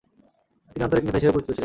তিনি আন্তরিক নেতা হিসেবে পরিচিত ছিলেন।